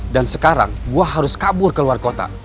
dan sekarang gue harus kabur ke luar kota